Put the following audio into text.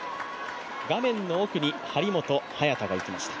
画面奥に張本・早田が行きました。